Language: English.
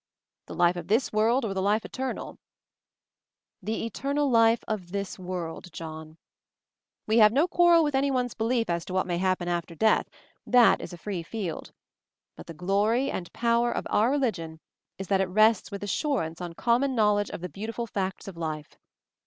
"The life of this world or the life eternal ?" "The eternal life of this world, John. We have no quarrel with anyone's belief as to what may happen after death, that is a free field ; but the glory and power of our religion 256 MOVING THE MOUNTAIN is that it rests with assurance on common knowledge of the beautiful facts of life.